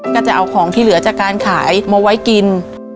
ก็จะเอาของที่เหลือจากการขายมาไว้กิน